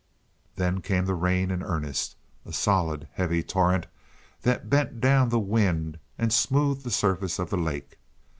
Then came the rain in earnest, a solid, heavy torrent, that bent down the wind and smoothed the surface of the lake.